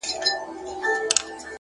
پلار پرې دارو راوړم دې پورې دوکاندار نه